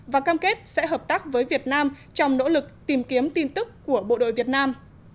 và cam kết sẽ hợp tác với việt nam trong nỗ lực tìm kiếm tin tức của bộ đội việt nam